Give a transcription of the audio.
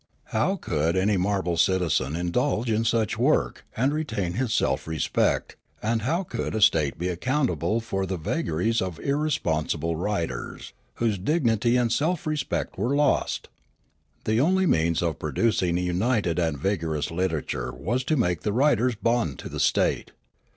How could any marble citizen indulge in such work and retain his self respect, and how could 7 98 Riallaro a state be accountable for the vagaries of irresponsible writers, whose dignity and self respect were lost ? The onl}' means of producing a united and vigorous liter ature was to make the writers bond to the state.